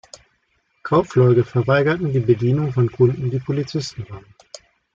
Kaufleute verweigerten die Bedienung von Kunden, die Polizisten waren.